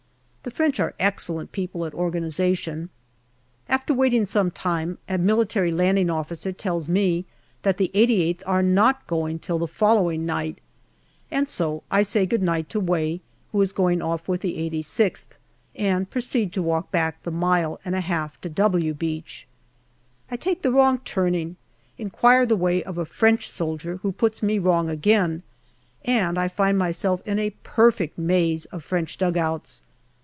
The French are excellent people at organization. After waiting some time, an M.L.O. tells me that the 88th are not going till the following night, and so I say good night to Way, who is going off with the 86th, and proceed to walk back the mile and a half to " W " Beach. I take the wrong turning, inquire the way of a French soldier, who puts me wrong again, and I find myself in a perfect maze of French dugouts.